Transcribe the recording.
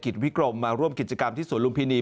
วิกรมมาร่วมกิจกรรมที่สวนลุมพินี